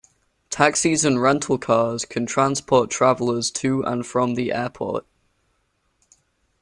Taxis and rental cars can transport travelers to and from the airport.